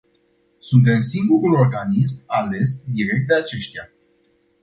Suntem singurul organism ales direct de aceștia.